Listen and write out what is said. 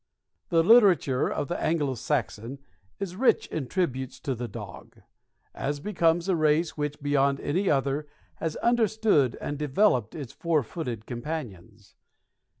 The literature of the Anglo Saxon is rich in tributes to the dog, as becomes a race which beyond any other has understood and developed its four footed companions.